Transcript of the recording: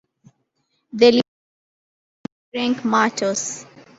The libretto is by Ferenc Martos.